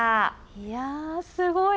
いやー、すごい。